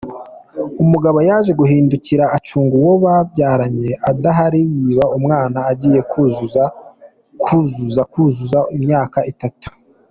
Umugabo yaje guhindukira acunga uwo babyaranye adahari, yiba umwana agiye kuzuza kuzuza imyaka itatu.